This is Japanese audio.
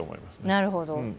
なるほど。